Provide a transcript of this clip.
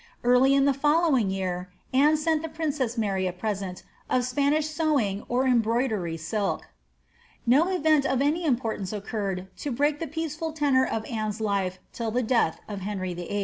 Early in the following year Anne sent the princess Maij a present of Spanish sewing or embroidery silk.' No event of any importance occurred to break the peaceful tenor of Anne's life till tlie death of Henry VIII.